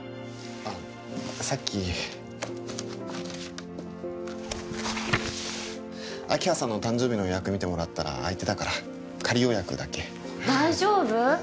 あっさっき明葉さんの誕生日の予約見てもらったら空いてたから仮予約だけ大丈夫？